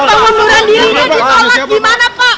bapak memurah dirinya ditolak dimana pak